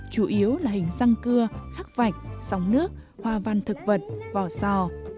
chủ yếu là hình răng cưa khắc vạch sóng nước hoa văn thực vật vỏ sò